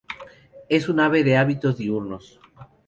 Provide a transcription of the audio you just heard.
Es un ave de hábitos diurnos.